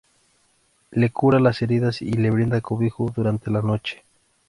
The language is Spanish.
Le cura las heridas y le brinda cobijo durante la noche.